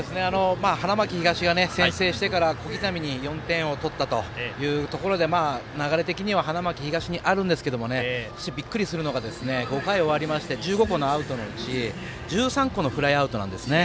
花巻東が先制してから小刻みに４点取ったというところ流れ的には花巻東にあるんですがびっくりするのが５回終わりまして１５個のアウトのうち１３個のフライアウトなんですね。